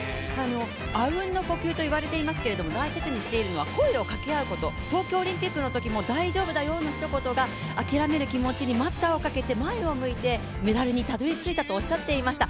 あうんの呼吸と言われていますけれども大切にしているのは声をかけ合うこと東京オリンピックのときも大丈夫だよのひと言が、諦める気持ちに待ったをかけて、前を向いてメダルにたどりついたと、おっしゃっていました。